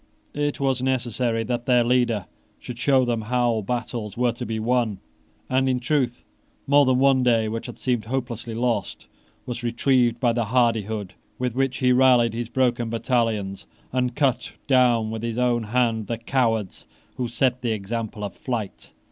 It was necessary that their leader should show them how battles were to be won. And in truth more than one day which had seemed hopelessly lost was retrieved by the hardihood with which he rallied his broken battalions and cut down with his own hand the cowards who set the example of flight.